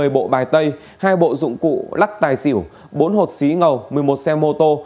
một mươi bộ bài tay hai bộ dụng cụ lắc tài xỉu bốn hột xí ngầu một mươi một xe mô tô